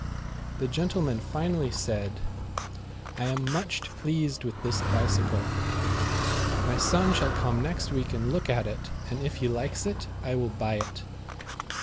The gentleman finally said :" I am much pleased with this bicycle. My son shall come next week and look at it, and if he likes it, I w^ill buy it."